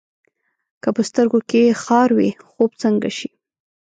که په سترګو کې خار وي، خوب څنګه شي؟